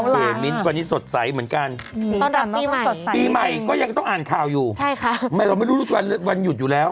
เอาละอ่ะอันนี้สดใสเหมือนกันปีใหม่ก็ยังต้องอ่านข่าวอยู่ไม่รู้ว่าวันหยุดอยู่แล้ว